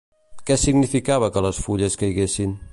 Què significava que les fulles caiguessin?